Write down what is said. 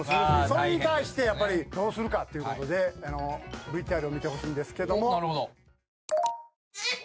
それに対してどうするかっていうことでＶＴＲを見てほしいんですけども。